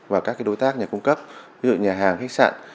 và các đối tác nhà cung cấp ví dụ nhà hàng khách sạn